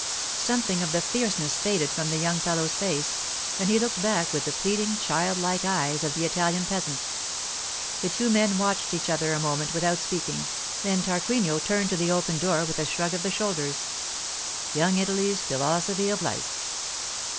Something of the fierceness faded from the young fellow's face, and he looked back with the pleading, child like eyes of the Italian peasant. The two men watched each other a moment without speaking, then Tarquinio turned to the open door with a shrug of the shoulders—Young Italy's philosophy of life.